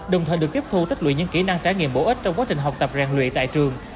đồng thời được tiếp thu tích lũy những kỹ năng trải nghiệm bổ ích trong quá trình học tập rèn luyện tại trường